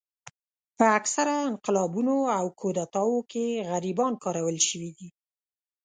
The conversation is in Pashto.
په اکثره انقلابونو او کودتاوو کې غریبان کارول شوي دي.